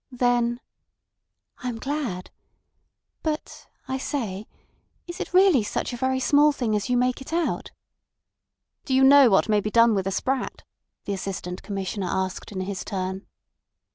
Then: "I'm glad. But—I say—is it really such a very small thing as you make it out?" "Do you know what may be done with a sprat?" the Assistant Commissioner asked in his turn.